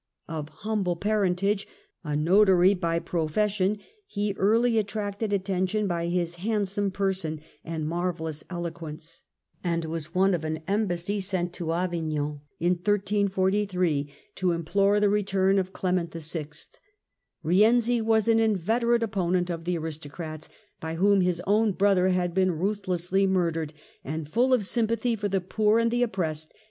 Of humble parentage, a notary by profession, he early attracted attention by his handsome person andEmbassyto marvellous eloquence, and was one of an embassy sent ^^^l^^"^^' G 82 THE END OF THE MIDDLE AGE to Avignon to implore the return of Clement VI. Eienzi was an inveterate opponent of the aristocrats, by whom his own brother had been ruthlessly murdered, and full of sympathy for the poor and the oppressed.